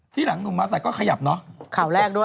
ที่หลังหนุ่มมาใส่ก็ขยับเนอะข่าวแรกด้วย